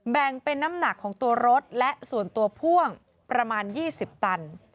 แบ่งเป็นน้ำหนักของตัวรถและส่วนตัวพ่วงประมาณ๒๐ตัน